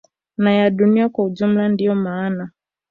na ya dunia kwa ujumla Ndio mana